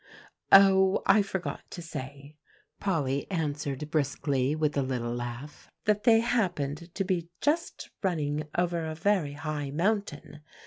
"Oh! I forgot to say," Polly answered briskly, with a little laugh, "that they happened to be just running over a very high mountain.